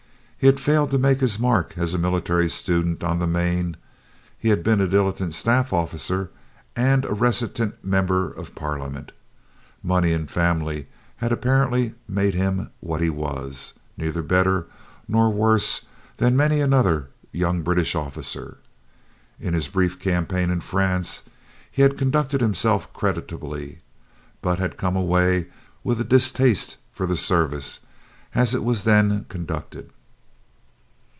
He had failed to make his mark as a military student on the Maine. He had been a dilettante staff officer, and a reticent member of Parliament. Money and family had apparently made him what he was neither better nor worse than many another young British officer. In his brief campaign in France, he had conducted himself creditably, but had come away with a distaste for the service, as it was then conducted.